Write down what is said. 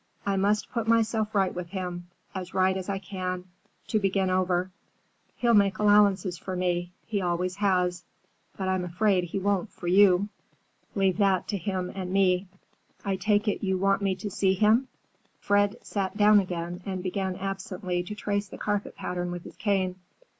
I must put myself right with him,—as right as I can,—to begin over. He'll make allowances for me. He always has. But I'm afraid he won't for you." "Leave that to him and me. I take it you want me to see him?" Fred sat down again and began absently to trace the carpet pattern with his cane.